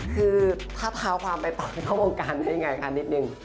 คือถ้าพาความไปต่อเข้าโรงการได้ยังไงคะนิดนึง